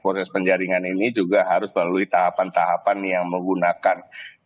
proses penjaringan ini juga harus melalui tahapan tahapan yang menggunakan